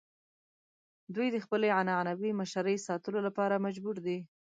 دوی د خپلې عنعنوي مشرۍ ساتلو لپاره مجبور دي.